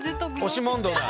押し問答だ。